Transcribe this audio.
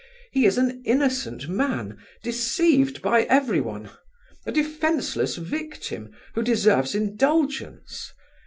He is an innocent man, deceived by everyone! A defenceless victim, who deserves indulgence!